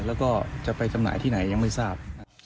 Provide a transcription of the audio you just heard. แล้วก็จะไปจำหน่ายที่ไหนยังไม่ทราบ